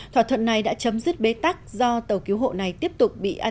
thỏa thuận này đã chấm dứt bế tắc do tàu cứu hộ này tiếp tục bị